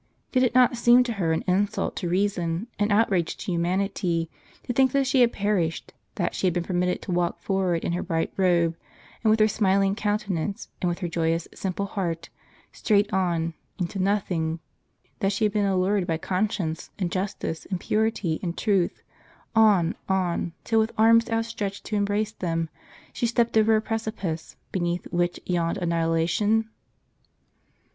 Did it not seem to her an insult to reason, an outrage to humanity, to think that she had perished ; that she had been permitted to walk forward in her bright robe, and with her smiling countenance, and with her joyous, simple heart, straight on — into nothing ; that she had been allured by conscience, and justice, and purity, and truth, on, on, till with arms outstretched to embrace them, she stepped over a precipice, beneath which yawned annihilation?